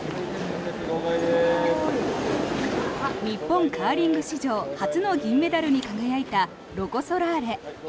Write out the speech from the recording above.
日本カーリング史上初の銀メダルに輝いたロコ・ソラーレ。